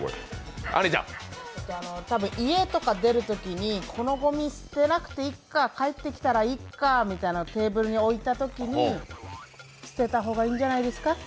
家とか出るときに、このごみ、捨てなくていっか、帰ってきたらいっかってテーブルに置いたときに捨てた方がいいんじゃないですかって